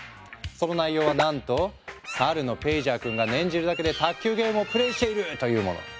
その内容はなんと猿のペイジャー君が念じるだけで卓球ゲームをプレイしている！というもの。